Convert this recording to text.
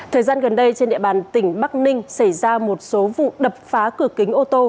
thời gian gần đây trên địa bàn tỉnh bắc ninh xảy ra một số vụ đập phá cửa kính ô tô